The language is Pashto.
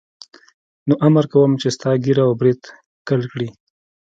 نو امر کوم چې ستا ږیره او برېت کل کړي.